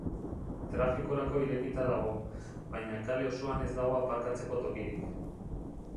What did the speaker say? Trafikorako irekita dago, baina kale osoan ez dago aparkatzeko tokirik.